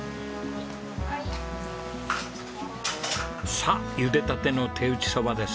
さあゆでたての手打ち蕎麦です。